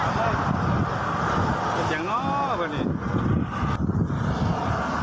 จะจังห้อป่ะเนี่ย